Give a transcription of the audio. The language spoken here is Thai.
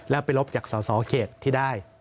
แล้วไปลบจากสสเขตที่ได้